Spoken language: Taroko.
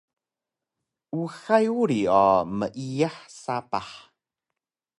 uxay uri o meiyah sapah